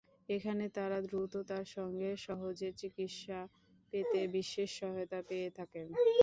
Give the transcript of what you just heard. এখানে তাঁরা দ্রুততার সঙ্গে সহজে চিকিত্সা পেতে বিশেষ সহায়তা পেয়ে থাকেন।